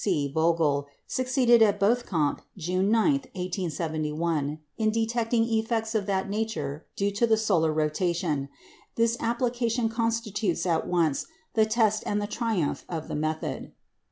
C. Vogel succeeded at Bothkamp, June 9, 1871, in detecting effects of that nature due to the solar rotation. This application constitutes at once the test and the triumph of the method.